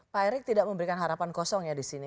pak erick tidak memberikan harapan kosong ya di sini